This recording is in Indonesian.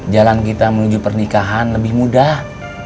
jalan kita menuju pernikahan lebih mudah